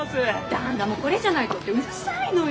旦那もこれじゃないとってうるさいのよ！